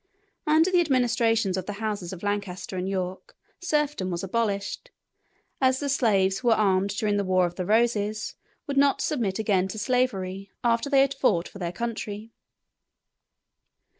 Under the administrations of the houses of Lancaster and York serfdom was abolished, as the slaves who were armed during the War of the Roses would not submit again to slavery after they had fought for their country.